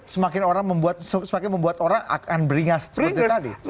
semakin orang membuat semakin membuat orang akan beringas seperti tadi